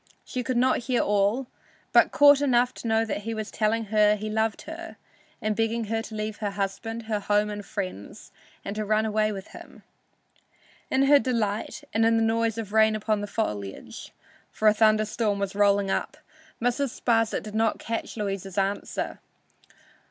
She could not hear all, but caught enough to know that he was telling her he loved her, and begging her to leave her husband, her home and friends, and to run away with him. In her delight and in the noise of rain upon the foliage (for a thunder storm was rolling up) Mrs. Sparsit did not catch Louisa's answer.